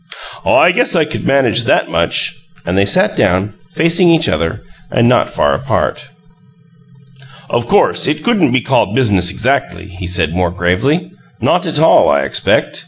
"I guess I could manage that much." And they sat down, facing each other and not far apart. "Of course, it couldn't be called business, exactly," he said, more gravely. "Not at all, I expect.